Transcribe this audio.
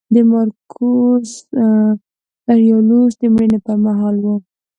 د مارکوس اریلیوس د مړینې پرمهال و